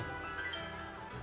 maaf merasa kayak kok bisa pukul tim